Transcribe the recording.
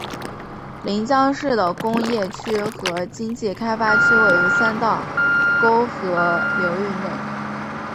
临江市的工业区和经济开发区位于三道沟河流域内。